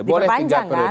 boleh tiga periode